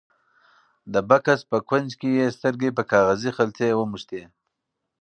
د بکس په کونج کې یې سترګې په کاغذي خلطې ونښتې.